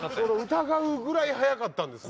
疑うぐらい速かったんですね。